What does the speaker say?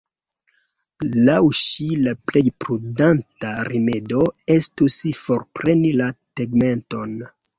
Laŭ ŝi la plej prudenta rimedo estus forpreni la tegmenton.